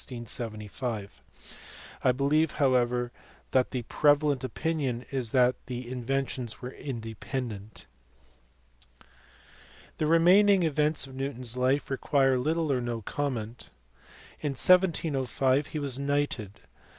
I believe how ever that the prevalent opinion is that the inventions were independent. The remaining events of Newton s life require little or no comment. In 1705 he was knighted.